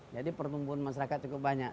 jadi pertumbuhan masyarakat cukup banyak